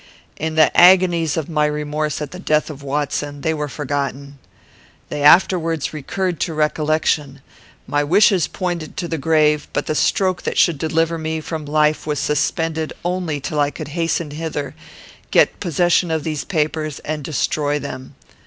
"In the agonies of my remorse at the death of Watson, they were forgotten. They afterwards recurred to recollection. My wishes pointed to the grave; but the stroke that should deliver me from life was suspended only till I could hasten hither, get possession of these papers, and destroy them.